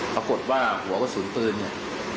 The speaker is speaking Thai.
ปรากฏว่าหัวกระสุนปืนเนี่ย